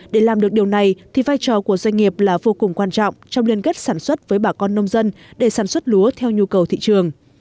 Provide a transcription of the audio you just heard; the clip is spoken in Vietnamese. để làm được điều này thì vai trò của doanh nghiệp là vô cùng quan trọng trong liên kết sản xuất với bà con nông dân để sản xuất lúa theo nhu cầu thị trường